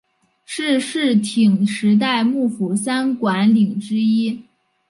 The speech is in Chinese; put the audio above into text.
是室町时代幕府三管领之一。